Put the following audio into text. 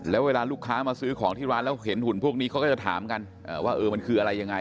แล้วเวลาลูกค้ามาซื้อของที่ร้านแล้วเห็นหุ่นพวกนี้เขาก็จะถามกันว่าเออมันคืออะไรยังไง